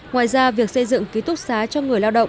ngoài ra việc xây dựng bữa ăn ca